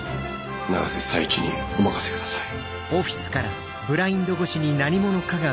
永瀬財地にお任せください。